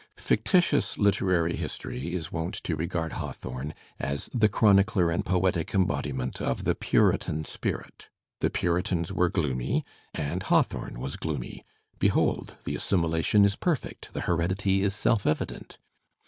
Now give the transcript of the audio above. Fictitious Uterary history is wont to regard Hawthorne as . the chronicler and poetic embodiment of the Puritan spirit. ^ The Puritans were gloomy and Hawthorne was gloomy; be hold, the assimilation is perfect, the heredity is self evident.